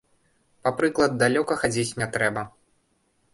Па прыклад далёка хадзіць не трэба.